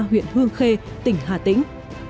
huyện hương khê tỉnh hà tĩnh